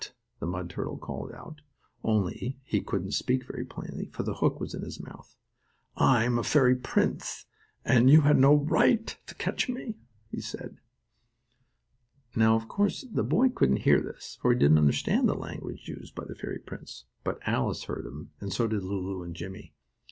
the mud turtle called out, only he couldn't speak very plainly, for the hook was in his mouth. "I'm a fairy prince, and you had no right to catch me," he said. Now, of course, the boy couldn't hear this, for he didn't understand the language used by the fairy prince. But Alice heard him, and so did Lulu and Jimmie.